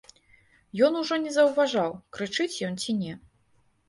Ён ужо не заўважаў, крычыць ён ці не.